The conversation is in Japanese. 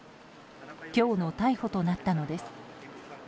今日の逮捕となったのです。